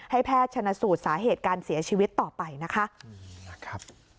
แพทย์ชนสูตรสาเหตุการเสียชีวิตต่อไปนะคะ